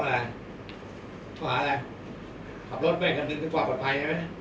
เขาหาอะไรขับรถไปกันดึงถึงความปลอดภัย